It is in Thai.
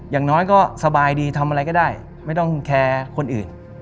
อย่างน้อยก็สบายดีทำอะไรก็ได้ไม่ต้องแคร์คนอื่น